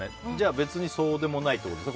別にそうでもないってことですね。